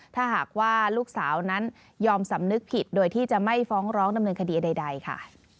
ถ้าหากว่าลูกสาวนั้นยอมสำนึกผิดโดยที่จะไม่ฟ้องร้องดำเนินคดีใดค่ะ